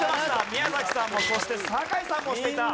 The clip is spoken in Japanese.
宮崎さんもそして酒井さんも押していた。